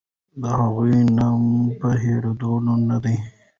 د هغې نوم به هېرېدلی نه وي.